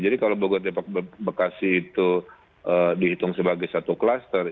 jadi kalau bogor depok bekasi itu dihitung sebagai satu klaster